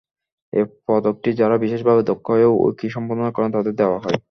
এই পদকটি যারা বিশেষভাবে দক্ষ হয়ে উইকি সম্পাদনা করেন তাদের দেওয়া হয়।